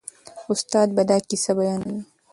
استاد به دا کیسه بیانوي.